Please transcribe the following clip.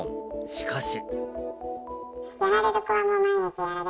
しかし。